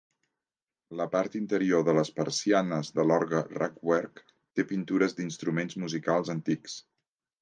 La part interior de les persianes de l'orgue "rugwerk" té pintures d'instruments musicals antics.